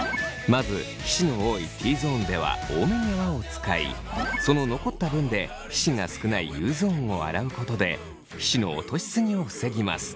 まず皮脂の多いＴゾーンでは多めに泡を使いその残った分で皮脂が少ないＵゾーンを洗うことで皮脂の落としすぎを防ぎます。